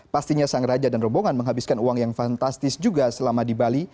pastinya sang raja dan rombongan menghabiskan uang yang fantastis juga selama di bali